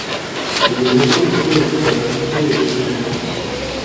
Une légende tourne autour de la fontaine et de son toit.